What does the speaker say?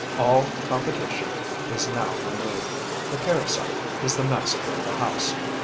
All competition is now removed; the parasite is the master of the house.